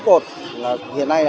bốn cột hiện nay